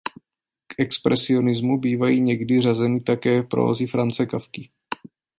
K expresionismu bývají někdy řazeny také prózy Franze Kafky.